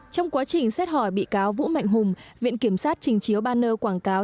trong quá trình xét hỏi bị cáo vũ mạnh hùng viện kiểm sát trình chiếu banner quảng cáo